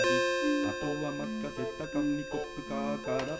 「あとはまかせたかみコップカーから」